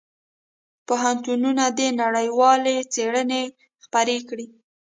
پوهنتونونه دي نړیوالې څېړنې خپرې کړي.